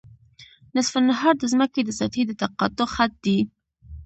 نصف النهار د ځمکې د سطحې د تقاطع خط دی